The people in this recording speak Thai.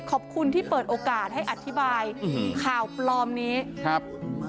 ขอบคุณที่เปิดโอกาสให้อธิบายข่าวปลอมนี้ครับ